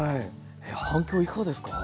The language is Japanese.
反響いかがですか？